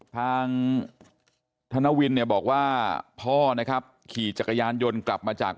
ทางธนวินเนี่ยบอกว่าพ่อนะครับขี่จักรยานยนต์กลับมาจาก